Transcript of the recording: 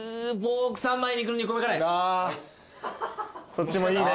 そっちもいいね。